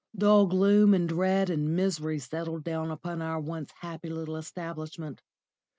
Dull gloom and dread and misery settled down upon our once happy little establishment.